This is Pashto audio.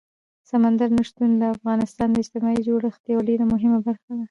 سمندر نه شتون د افغانستان د اجتماعي جوړښت یوه ډېره مهمه برخه ده.